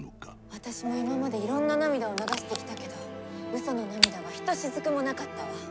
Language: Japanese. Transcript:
私も今までいろんな涙を流してきたけど嘘の涙はひとしずくもなかったわ。